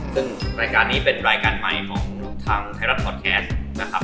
ซึ่งรายการนี้เป็นรายการใหม่ของทางไทยรัฐพอดแคสต์นะครับ